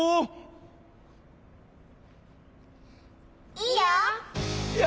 いいよ！